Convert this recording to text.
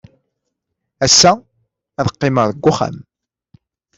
Ass-a, ad qqimeɣ deg uxxam.